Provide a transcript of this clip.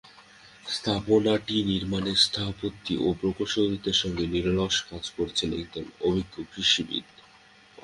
স্থাপনাটি নির্মাণে স্থপতি ও প্রকৌশলীদের সঙ্গে নিরলস কাজ করেছেন একদল অভিজ্ঞ কৃষিবিদ।